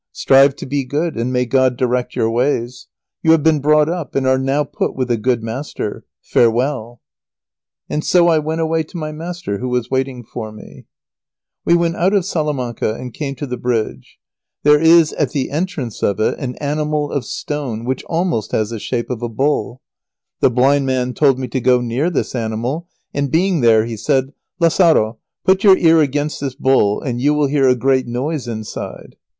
Strive to be good, and may God direct your ways. You have been brought up, and are now put with a good master. Farewell!" And so I went away to my master who was waiting for me. See note, p. 5. [Sidenote: A cruel trick of the wicked old blind man.] We went out of Salamanca and came to the bridge. There is, at the entrance of it, an animal of stone which almost has the shape of a bull. The blind man told me to go near this animal, and, being there, he said, "Lazaro, put your ear against this bull, and you will hear a great noise inside."